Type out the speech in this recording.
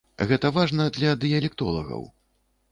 Гэта важна для дыялектолагаў.